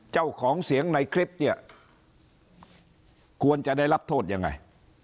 เจ้าของเสียงในคลิปเนี่ยควรจะได้รับโทษยังไง